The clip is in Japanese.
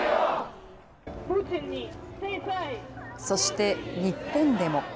そして、日本でも。